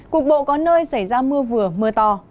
cục bộ có nơi xảy ra mưa vừa mưa to